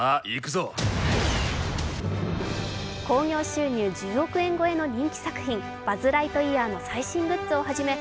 興行収入１０億円超えの人気作品、「バズ・ライトイヤー」の最新グッズをはじめ